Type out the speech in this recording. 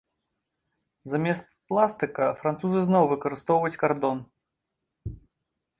Замест пластыка французы зноў выкарыстоўваюць кардон.